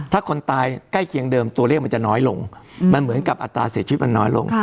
ถ้าคนตายใกล้เคียงเดิมตัวเลขมันจะน้อยลงมันเหมือนกับอัตราเสียชีวิตมันน้อยลง